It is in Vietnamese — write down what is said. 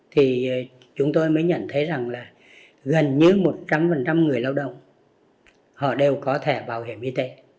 thì chúng tôi mới nhận thấy rằng là gần như một trăm linh người lao động họ đều có thẻ bảo hiểm y tế